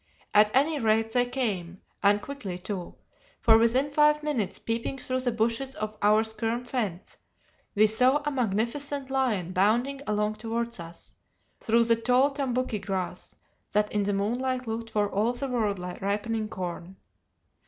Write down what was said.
At any rate they came, and quickly too, for within five minutes, peeping through the bushes of our skerm fence, we saw a magnificent lion bounding along towards us, through the tall tambouki grass, that in the moonlight looked for all the world like ripening corn.